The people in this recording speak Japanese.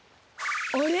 あれ？